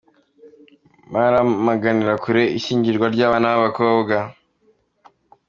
Baramaganira kure ishyingirwa ry’abana b’abakobwa